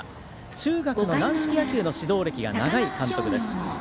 中学の軟式野球の指導歴が長い監督です。